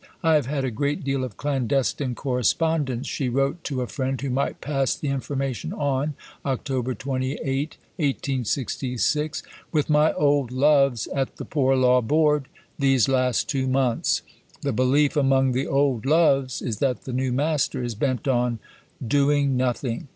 "I have had a great deal of clandestine correspondence," she wrote to a friend who might pass the information on (Oct. 28, 1866), "with my old loves at the Poor Law Board these last two months. The belief among the old loves is that the new master is bent on doing nothing.